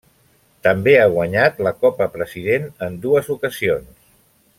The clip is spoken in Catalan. També ha guanyat la Copa President en dues ocasions.